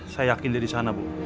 saya yakin dia disana bu